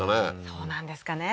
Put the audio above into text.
そうなんですかね？